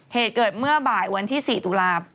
เหตุเกิดเมื่อบ่ายวันที่๔ตุลาคม